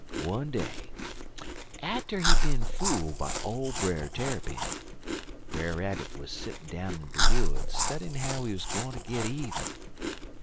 One day, atter he bin fool by ole Brer Tarrypin, Brer Rabbit wuz settin' down in de woods studyin' how he wuz gwineter git even.